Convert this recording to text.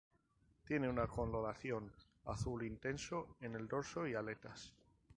Tiene una coloración azul intenso en el dorso y aletas.